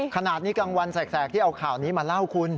ขนาดนี้กลางวันแสกที่เอาข่าวนี้มาเล่าคุณ